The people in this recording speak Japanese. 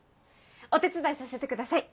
お手伝いさせてください。